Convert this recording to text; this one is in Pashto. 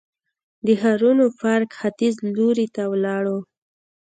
د ښارنو پارک ختیځ لوري ته ولاړو.